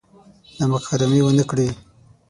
نمک حرامي ونه کړي.